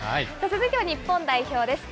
続いては日本代表です。